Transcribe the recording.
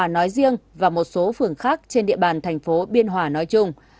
hiệp hòa nói riêng và một số phường khác trên địa bàn thành phố biên hòa nói chung